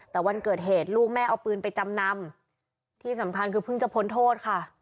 แต่วันเกิดเหตุลูกแม่เอาปืนไปจำนำที่สำคัญคือเพิ่งจะพ้นโทษค่ะ